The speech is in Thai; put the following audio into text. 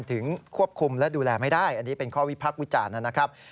ถึงควบคุมและดูแลไม่ได้อันนี้เป็นข้อวิพักษ์วิจารณ์นะครับ